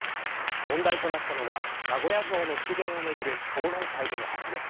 問題となったのは名古屋城の復元をめぐる討論会での発言。